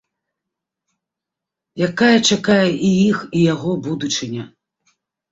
Якая чакае і іх і яго будучыня?